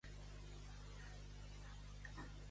En cap de boigs per fer riure els savis.